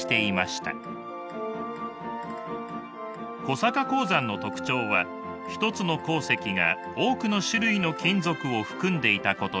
小坂鉱山の特徴は一つの鉱石が多くの種類の金属を含んでいたことです。